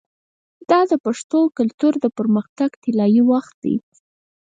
دا د پښتو کلتور د پرمختګ طلایی وخت دی.